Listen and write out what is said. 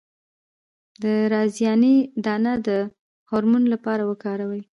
د رازیانې دانه د هورمون لپاره وکاروئ